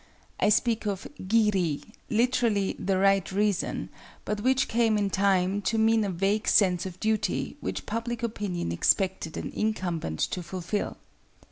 I speak of Gi ri, literally the Right Reason, but which came in time to mean a vague sense of duty which public opinion expected an incumbent to fulfil.